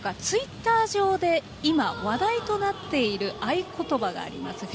ツイッター上で今、話題となっている合言葉があります。